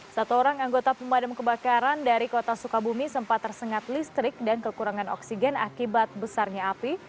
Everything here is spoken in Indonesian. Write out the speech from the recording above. satu orang anggota pemadam kebakaran dari kota sukabumi sempat tersengat listrik dan kekurangan oksigen akibat besarnya api